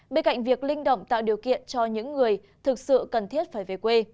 bên cạnh việc linh động tạo điều kiện cho những người thực sự cần thiết phải về quê